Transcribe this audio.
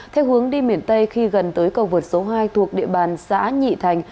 theo hướng đi miền tây khi gần tới cầu vượt số hai thuộc địa bàn xã nhị thành